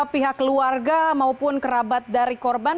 pihak keluarga maupun kerabat dari korban